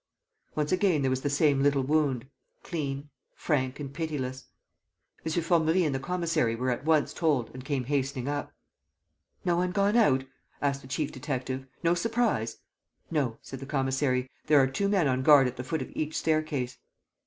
Once again there was the same little wound, clean, frank and pitiless. M. Formerie and the commissary were at once told and came hastening up. "No one gone out?" asked the chief detective. "No surprise?" "No," said the commissary. "There are two men on guard at the foot of each staircase."